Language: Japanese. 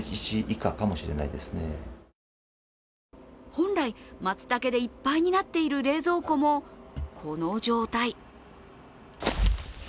本来、松茸でいっぱいになっている冷蔵庫も、この状態。